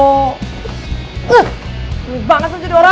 udah banget lo jadi orang